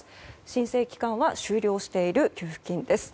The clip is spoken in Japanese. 申請期間は終了している給付金です。